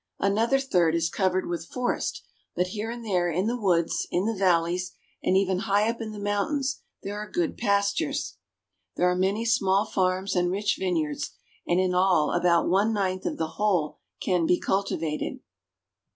Another third is covered with forest, but here and there in the woods, in the valleys, and even high up in the mountains, there are good pastures. There are many small farms and rich vineyards, and in all about one ninth of the whole can be cultivated.